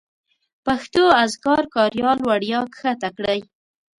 پښتو اذکار کاریال وړیا کښته کړئ